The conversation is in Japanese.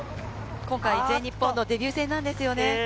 今回、全日本のデビュー戦なんですよね。